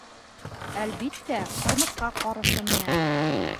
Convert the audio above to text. Әлбиттә, ҡырмыҫҡа ҡарышы менән.